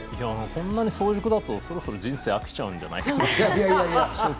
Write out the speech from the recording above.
こんなに早熟だと、そろそろ人生に飽きちゃうんじゃないかな。